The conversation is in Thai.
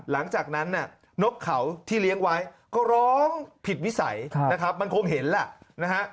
หลังจากนั้นนกเขาที่เลี้ยงไว้ก็ร้องผิดวิสัยนะครับมันคงเห็นแหละนะฮะ